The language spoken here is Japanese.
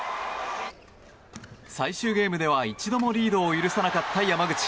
最終ゲームでは一度もリードを許さなかった山口。